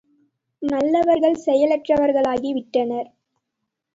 நல்லவர்கள் செயலற்ற வர்களாகி விட்டனர்.